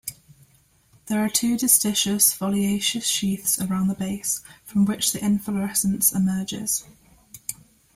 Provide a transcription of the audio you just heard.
There are two distichous, foliaceous sheaths around the base, from which the inflorescence emerges.